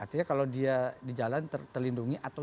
artinya kalau dia di jalan terlindungi atau